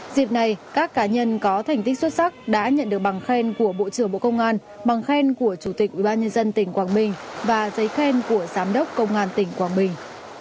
dịp này các cá nhân có thành tích xuất sắc đã nhận được bằng khen của bộ trưởng bộ công an bằng khen của chủ tịch ubnd tỉnh quảng bình và giấy khen của giám đốc công an tỉnh quảng bình